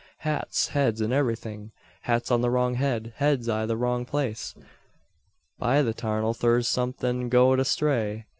"Hats, heads, an everythin'. Hats on the wrong head; heads i' the wrong place! By the 'tarnal thur's somethin' goed astray!